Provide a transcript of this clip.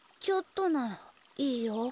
ちょっとならいいよ。